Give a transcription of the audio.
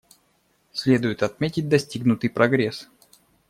Следует отметить достигнутый прогресс.